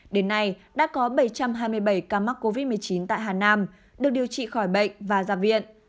đến nay đã có bảy trăm hai mươi bảy ca mắc covid một mươi chín tại hà nam được điều trị khỏi bệnh và ra viện